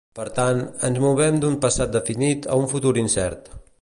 Per tant, ens movem d'un passat definit a un futur incert.